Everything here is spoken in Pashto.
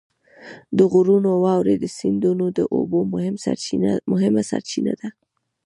د غرونو واورې د سیندونو د اوبو مهمه سرچینه ده.